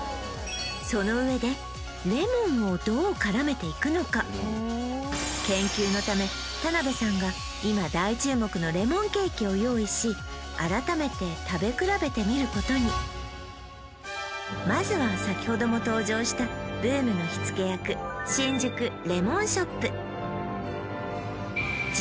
そのうえでレモンをどう絡めていくのか研究のため田辺さんが今大注目のレモンケーキを用意し改めて食べ比べてみることにまずはさきほども登場したブームの火つけ役新宿レモンショップ